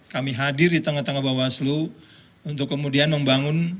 kami hadir di tengah tengah bawaslu untuk kemudian membangun